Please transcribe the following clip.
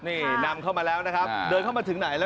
นี่นำเข้ามาแล้วนะครับเดินเข้ามาถึงไหนแล้ว